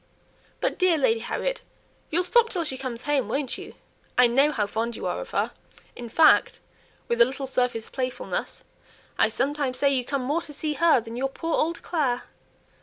But, dear Lady Harriet, you'll stop till she comes home, won't you? I know how fond you are of her; in fact" (with a little surface playfulness) "I sometimes say you come more to see her than your poor old Clare."